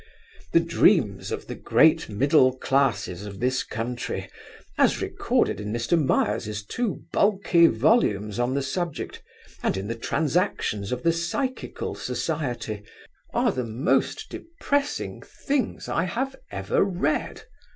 The dreams of the great middle classes of this country, as recorded in Mr. Myers's two bulky volumes on the subject, and in the Transactions of the Psychical Society, are the most depressing things that I have ever read.